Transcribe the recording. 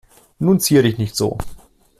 Nun zier dich nicht so.